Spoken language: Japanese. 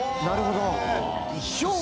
なるほど。